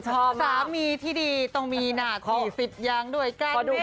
สามีที่ดีต้องมีหนัก๔๐อย่างด้วยกัน